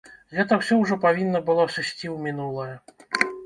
Гэта ўсё ўжо павінна было сысці ў мінулае.